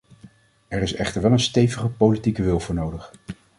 Er is echter wel een stevige politieke wil voor nodig.